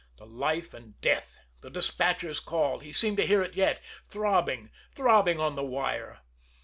The life and death, the despatcher's call he seemed to hear it yet throbbing, throbbing on the wire.